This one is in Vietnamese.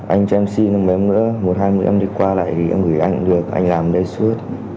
anh cho em xin một em nữa một hai mươi em đi qua lại thì em gửi anh được anh làm ở đây suốt